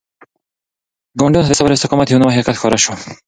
ګاونډیانو ته د صبر او استقامت یو نوی حقیقت ښکاره شو.